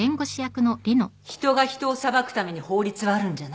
人が人を裁くために法律はあるんじゃない。